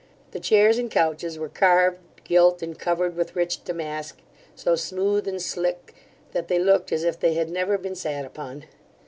The chairs and couches were carved, gilt, and covered with rich damask, so smooth and slick, that they looked as if they had never been sat upon.